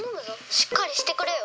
しっかりしてくれよ。